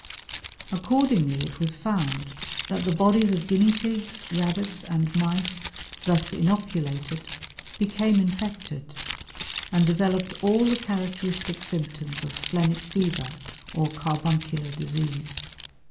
Accordingly it was found that the bodies of guinea pigs, rabbits, and mice thus inoculated became infected, and developed all the characteristic symptoms of splenic fever or carbuncular disease.